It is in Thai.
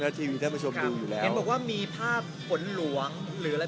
ทีวีท่านผู้ชมดูอยู่แล้วเห็นบอกว่ามีภาพฝนหลวงหรืออะไร